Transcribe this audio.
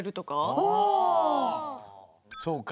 そうか。